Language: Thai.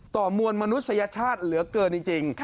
มวลมนุษยชาติเหลือเกินจริง